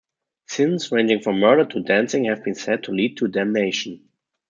"Sins" ranging from murder to dancing have been said to lead to damnation.